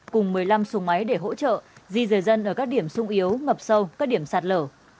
cùng một mươi năm xuồng máy để hỗ trợ di rời dân ở các điểm sung yếu ngập sâu các điểm sạt lở